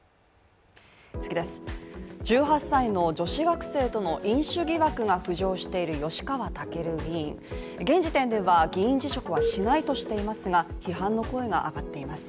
１８歳の女子学生との飲酒疑惑が浮上している吉川赳議員現時点では議員辞職はしないとしていますが、批判の声が上がっています。